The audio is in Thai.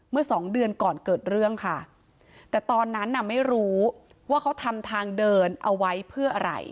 สองเดือนก่อนเกิดเรื่องค่ะแต่ตอนนั้นน่ะไม่รู้ว่าเขาทำทางเดินเอาไว้เพื่ออะไร